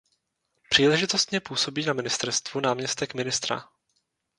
Příležitostně působí na ministerstvu náměstek ministra.